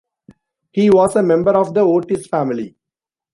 He was a member of the Otis family.